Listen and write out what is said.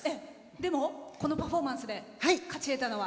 でも、このパフォーマンスで勝ったのは？